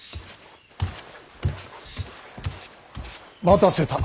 待たせた。